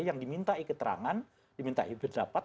yang dimintai keterangan dimintai berdapat